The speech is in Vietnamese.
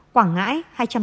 quảng ngãi hai trăm linh hai